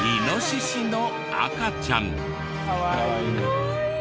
かわいい。